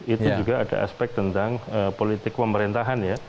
itu juga ada aspek tentang politik pemerintahan ya